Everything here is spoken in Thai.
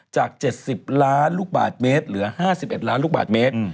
๗๐ล้านลูกบาทเมตรเหลือ๕๑ล้านลูกบาทเมตร